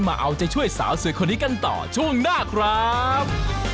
มาเอาใจช่วยสาวสวยคนนี้กันต่อช่วงหน้าครับ